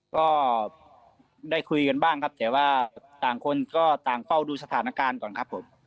ก็ได้คุยกันบ้างครับแต่ว่าต่างคนก็ต่างเฝ้าดูสถานการณ์ก่อนครับผม